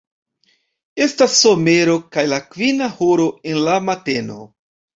Estas somero kaj la kvina horo en la mateno.